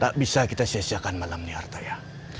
tak bisa kita sia siakan malam ini artaya